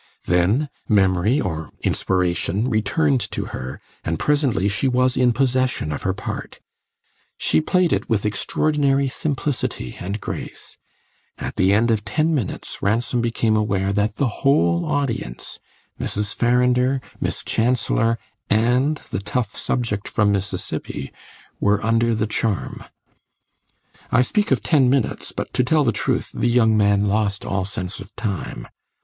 Then memory, or inspiration, returned to her, and presently she was in possession of her part. She played it with extraordinary simplicity and grace; at the end of ten minutes Ransom became aware that the whole audience Mrs. Farrinder, Miss Chancellor, and the tough subject from Mississippi were under the charm. I speak of ten minutes, but to tell the truth the young man lost all sense of time.